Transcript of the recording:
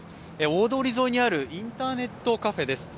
大通り沿いにあるインターネットカフェです。